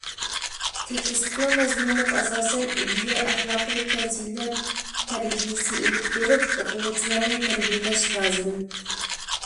تېكىستنىڭ مەزمۇنىغا ئاساسەن ئىدىيە، ئەخلاقىي پەزىلەت تەربىيىسى ئېلىپ بېرىپ، ئوقۇغۇچىلارنى تەربىيىلەش لازىم.